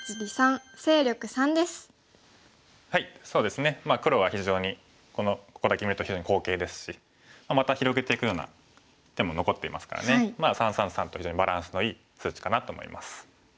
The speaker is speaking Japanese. そうですね黒は非常にここだけ見ると非常に好形ですしまた広げていくような手も残っていますからね３３３と非常にバランスのいい数値かなと思います。